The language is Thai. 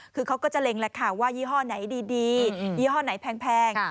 คือเขาก็จะเล็งแหละค่ะว่ายี่ห้อไหนดียี่ห้อไหนแพง